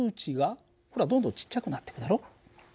ほらどんどんちっちゃくなってくだろ？